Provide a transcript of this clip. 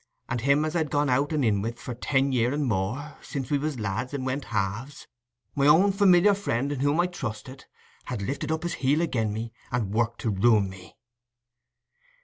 And him as I'd gone out and in wi' for ten year and more, since when we was lads and went halves—mine own familiar friend in whom I trusted, had lifted up his heel again' me, and worked to ruin me."